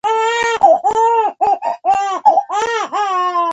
هغې انګور ترلاسه نه کړای شول.